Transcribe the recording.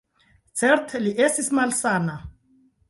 Certe li estis malsana.